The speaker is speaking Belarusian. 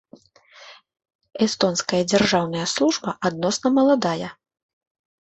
Эстонская дзяржаўная служба адносна маладая.